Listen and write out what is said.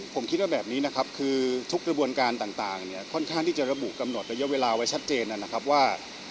ผมคิดว่าแบบนี้นะครับคือทุกกระบวนการต่างเนี่ยค่อนข้างที่จะระบุกำหนดระยะเวลาไว้ชัดเจนนะครับว่า